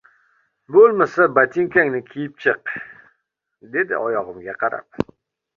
— Bo‘lmasa, botinkangni kiyib chiq, — dedi oyog‘imga qarab.